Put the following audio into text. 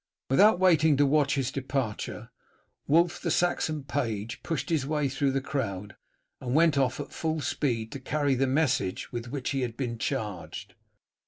Without waiting to watch his departure, Wulf, the Saxon page, pushed his way through the crowd, and went off at full speed to carry the message with which he had been charged.